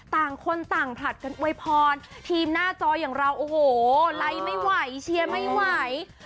ต่างคนต่างผลัดกันอวยพรทีมหน้าจออย่างเราโอ้โหไลค์ไม่ไหวเชียร์ไม่ไหว